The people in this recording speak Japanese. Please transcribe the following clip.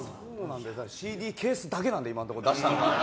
ＣＤケースだけなので今のところ出したのは。